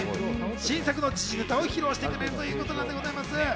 新作の時事ネタを披露してくれるということでございます。